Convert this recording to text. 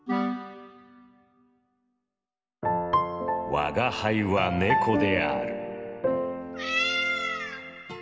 「吾輩は猫である。